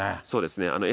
そうですね。